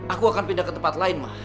aku akan pindah ke tempat lain mah